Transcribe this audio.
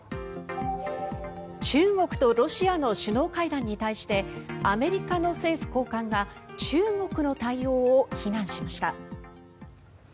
中国とロシアの首脳会談に対してアメリカの政府高官が中国の対応を非難しました。